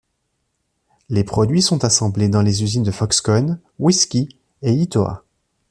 Les produits sont assemblés dans les usines de Foxconn, Wisky et Yitoa.